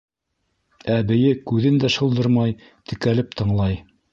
Әбейе күҙен дә шылдырмай текәлеп тыңлай.